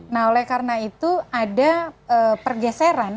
nah oleh karena itu ada pergeseran